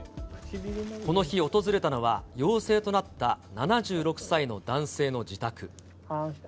この日訪れたのは、陽性となった７６歳の男性の自宅。